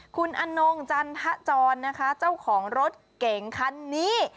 คุณอนงจันทจรนะคะเจ้าของรถเก๋งคันนี้